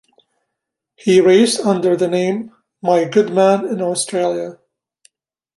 He raced under the name My Good Man in Australia.